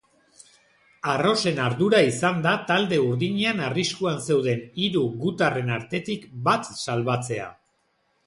Arrosen ardura izan da talde urdinean arriskuan zeuden hiru gutarren artetik bat salbatzea.